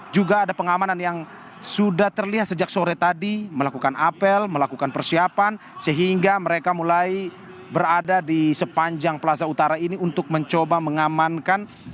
juga ada pengamanan yang sudah terlihat sejak sore tadi melakukan apel melakukan persiapan sehingga mereka mulai berada di sepanjang plaza utara ini untuk mencoba mengamankan